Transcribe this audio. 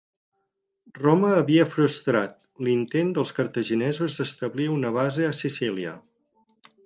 Roma havia frustrat l'intent dels cartaginesos d'establir una base a Sicília.